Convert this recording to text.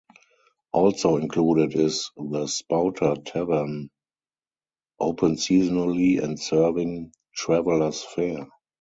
Also included is The Spouter Tavern, open seasonally and serving "travelers' fare".